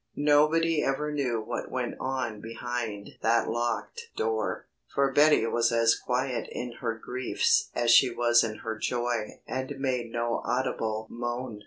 Nobody ever knew what went on behind that locked door, for Betty was as quiet in her griefs as she was in her joy and made no audible moan.